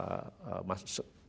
nah sekarang sudah bisa